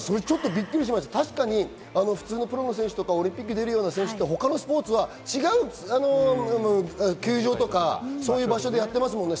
確かにプロの選手とかオリンピックに出るような選手は他のスポーツは違う球場とかそういう場所でやってますもんね。